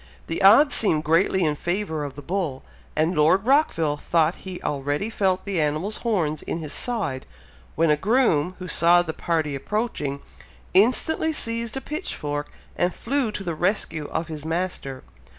The odds seemed greatly in favour of the bull, and Lord Rockville thought he already felt the animal's horns in his side, when a groom, who saw the party approaching, instantly seized a pitchfork and flew to the rescue of his master.